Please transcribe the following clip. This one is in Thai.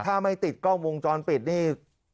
ถ้าไม่ติดกล้องวงจรปิดนี่